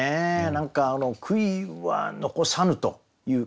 何か「悔いは残さぬ」という。